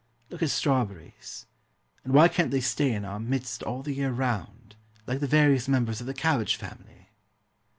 Look at strawberries; and why can't they stay in our midst all the year round, like the various members of the cabbage family?